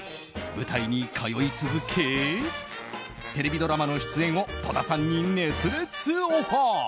舞台に通い続けテレビドラマの出演を戸田さんに熱烈オファー。